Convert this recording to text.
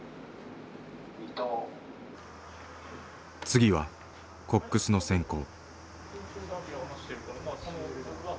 次はコックスの選考。